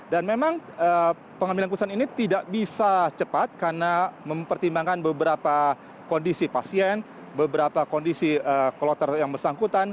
dan memang pengambilan keputusan ini tidak bisa cepat karena mempertimbangkan beberapa kondisi pasien beberapa kondisi kloter yang bersangkutan